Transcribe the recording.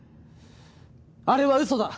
あれは嘘だ！